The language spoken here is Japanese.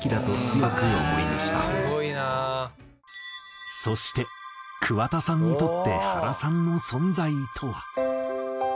そして桑田さんにとって原さんの存在とは？